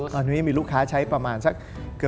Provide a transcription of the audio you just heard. ตอนนี้มีลูกค้าใช้ประมาณสัก